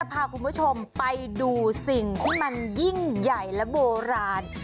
พาคุณผู้ชมไปดูสิ่งที่มันยิ่งใหญ่และโบราณ